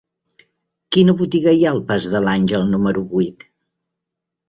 Quina botiga hi ha al pas de l'Àngel número vuit?